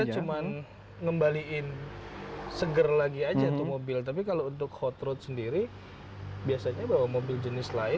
cuman ngembaliin seger lagi aja tuh mobil tapi kalau untuk hot road sendiri biasanya bawa mobil jenis lain